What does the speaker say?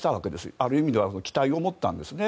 ある意味では期待を持ったんですね。